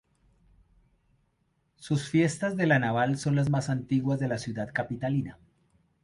Sus fiestas de la Naval son las más antiguas de la ciudad capitalina.